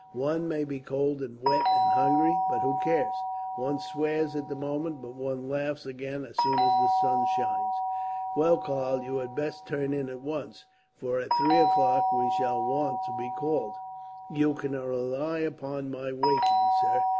One may be cold and wet and hungry, but who cares? One swears at the moment, but one laughs again, as soon as the sun shines." "Well, Karl, you had best turn in at once, for at three o'clock we shall want to be called." "You can rely upon my waking, sir.